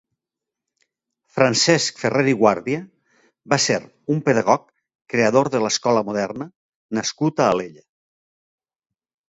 Francesc Ferrer i Guàrdia va ser un pedagog creador de l'Escola Moderna nascut a Alella.